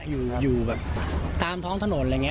อยู่แบบตามท้องถนนอะไรอย่างนี้